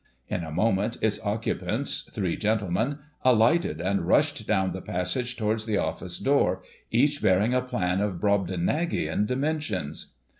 In a moment, its occupants (three gentlemen) alighted, and rushed down the passage, towards the office door, each bearing a plan of Brobdingnagian dimensions.